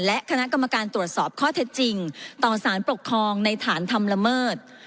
และคณะกรรมการตรวจสอบข้อเท็จจริงต่อสารปกครองในฐานทำละเมิด